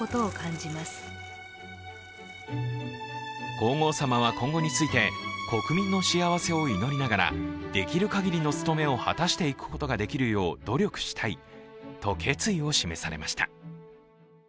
皇后さまは今後について、国民の幸せを祈りながらできる限りの務めを果たしていくことができるよう努力したいと決意を示されました。